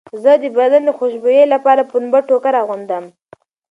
زه د بدن خوشبویۍ لپاره پنبه ټوکر اغوندم.